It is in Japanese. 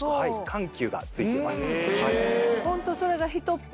緩急がついてます。